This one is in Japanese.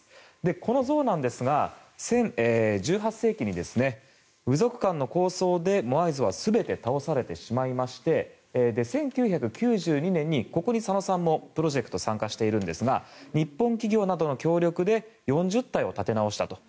この像ですが１８世紀に部族間抗争でモアイ像は全て倒されてしまいまして１９９２年ここに左野さんもプロジェクトに参加しているんですが日本企業の協力などで４０体を立て直したと。